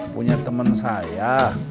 punya temen saya